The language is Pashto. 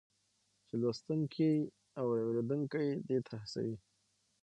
چې لوستونکی او اورېدونکی دې ته هڅوي